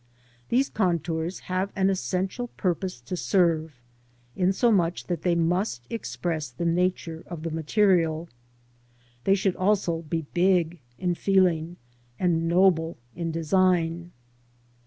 These contours have an essential purpose to serve, insomuch that they must express the nature of the material. They should also be big in feeling and noble in design.